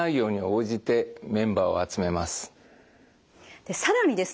で更にですね